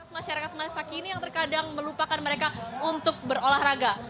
masyarakat masa kini yang terkadang melupakan mereka untuk berolahraga